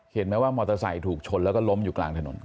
เห็นไหมว่ามอเตอร์ไซค์ถูกชนแล้วก็ล้มอยู่กลางถนน